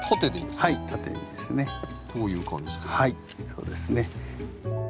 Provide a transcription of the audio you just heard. そうですね。